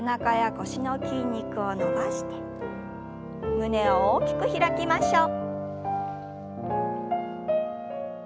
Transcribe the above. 胸を大きく開きましょう。